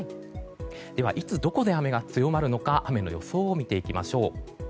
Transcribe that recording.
では、いつどこで雨が強まるのか雨の予想を見ていきましょう。